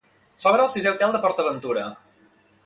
S'obre el sisè hotel de PortAventura.